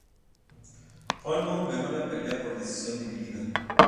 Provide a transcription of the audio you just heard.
Holm ganó la pelea por decisión dividida.